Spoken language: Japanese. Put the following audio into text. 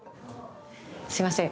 すいません。